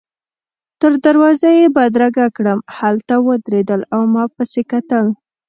تر دروازې يې بدرګه کړم، هلته ودرېدل او ما پسي کتل.